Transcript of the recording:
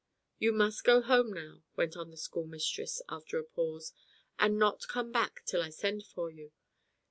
"You must go home now," went on the schoolmistress after a pause, "and not come back till I send for you.